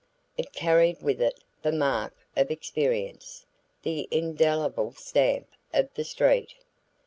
It carried with it the mark of experience, the indelible stamp of the street.